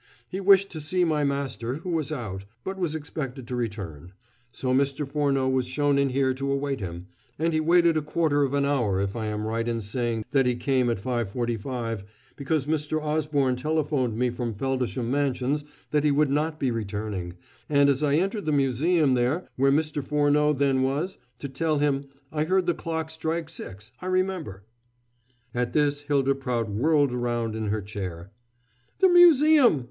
He wished to see my master, who was out, but was expected to return. So Mr. Furneaux was shown in here to await him, and he waited a quarter of an hour, if I am right in saying that he came at 5.45, because Mr. Osborne telephoned me from Feldisham Mansions that he would not be returning, and as I entered the museum there, where Mr. Furneaux then was, to tell him, I heard the clock strike six, I remember." At this Hylda Prout whirled round in her chair. "The museum!"